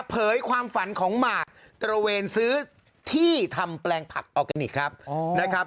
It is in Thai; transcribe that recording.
ความฝันของหมากตระเวนซื้อที่ทำแปลงผักออร์แกนิคครับนะครับ